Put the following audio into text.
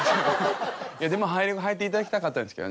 でもハイレグはいていただきたかったですけどね。